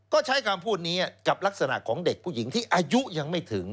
ก็ใช้คำพูดนี้กับลักษณะของเด็กผู้หญิงที่อายุยังไม่ถึง